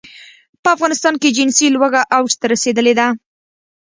په افغانستان کې جنسي لوږه اوج ته رسېدلې ده.